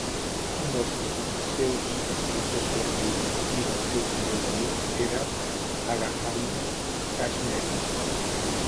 Un dels seus escriptors preferits i dels seus millors amics era Aghajani Kashmeri.